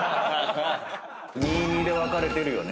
２・２で分かれてるよね